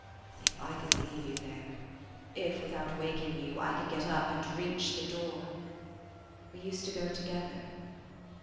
If I could leave you there If, without waking you, I could get up and reach the door ! We used to go together.